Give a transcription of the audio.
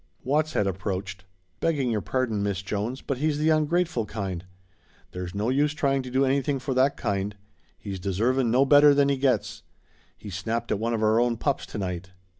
Watts had approached. "Begging your pardon, Miss Jones, but he's the ungrateful kind. There's no use trying to do anything for that kind. He's deservin' no better than he gets. He snapped at one of our own pups to night."